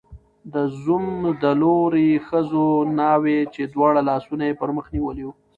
د زوم د لوري ښځو ناوې، چې دواړه لاسونه یې پر مخ نیولي وو